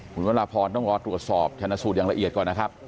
คุณวรพรต้องรอตรวจสอบชนะสูตรอย่างละเอียดก่อนนะครับ